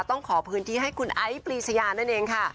ต้องขอพื้นที่ให้คุณไอ้ปลีชยานั่นเองค่ะ